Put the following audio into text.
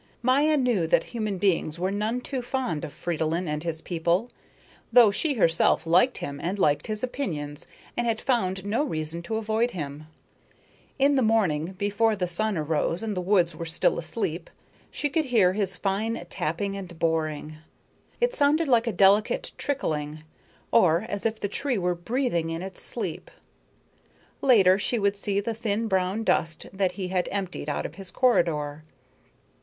Maya knew that human beings were none too fond of Fridolin and his people, though she herself liked him and liked his opinions and had found no reason to avoid him. In the morning before the sun arose and the woods were still asleep, she would hear his fine tapping and boring. It sounded like a delicate trickling, or as if the tree were breathing in its sleep. Later she would see the thin brown dust that he had emptied out of his corridor.